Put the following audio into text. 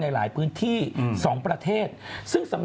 เดี๋ยวนะคะถ้ากรุงเทศหิมะตก